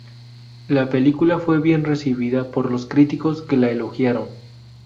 La película fue bien recibida por los críticos, que la elogiaron.